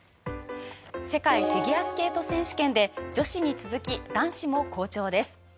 世界フィギュアスケート選手権で女子に続き男子も好調です。